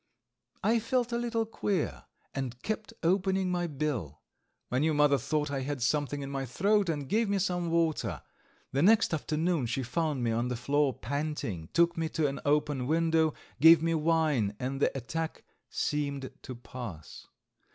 I felt a little queer, and kept opening my bill. My new mother thought I had something in my throat and gave me some water. The next afternoon she found me on the floor panting, took me to an open window, gave me wine and the attack seemed to pass.